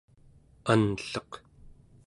anlleq